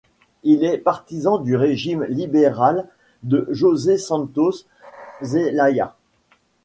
Il est partisan du régime libéral de José Santos Zelaya.